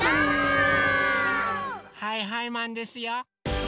はいはいマンですよ！